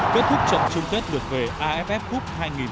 kết thúc trận chung kết lượt về aff cup hai nghìn một mươi chín